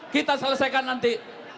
kita selesaikan nanti